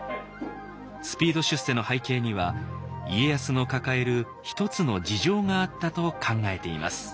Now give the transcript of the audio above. スピード出世の背景には家康の抱える一つの事情があったと考えています。